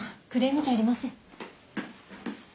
クレームじゃありません。